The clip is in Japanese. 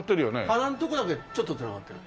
鼻のとこだけちょっと繋がってる。